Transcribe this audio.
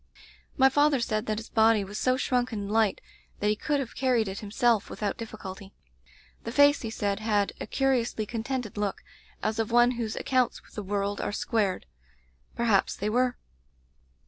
"My father said that his body was so shrunken and light that he could have car ried it himself without difliculty. The face, he said, had a curiously contented look, as of one whose accounts with the world are squared. Perhaps they were.